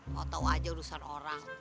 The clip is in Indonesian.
tau tau aja urusan orang